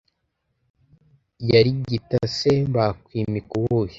yarigita se bakwimika uwuhe ?